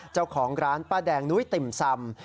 เจ้าของร้านป้าแดงนุ้ยติ่มซำ